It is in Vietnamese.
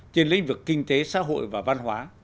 trên lĩnh vực kinh tế xã hội và văn hóa